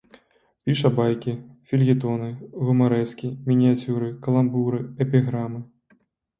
Піша байкі, фельетоны, гумарэскі, мініяцюры, каламбуры, эпіграмы.